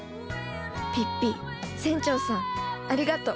ピッピ船長さんありがとう。